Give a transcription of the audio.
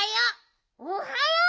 おはよう。